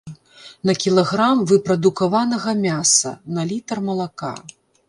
На кілаграм выпрадукаванага мяса, на літр малака.